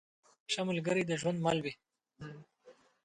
ښه ملګری د ژوند مل وي.